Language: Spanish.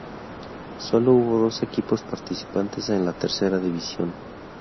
Sólo hubo dos equipos participantes en la tercera división.